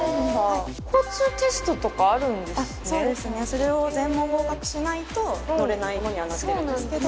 それを全問合格しないと乗れないものにはなってるんですけど。